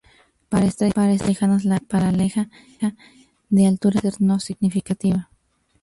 Para estrellas muy lejanas la paralaje de altura puede no ser significativa.